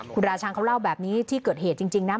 คุณราชังเขาเล่าแบบนี้ที่เกิดเหตุจริงนะ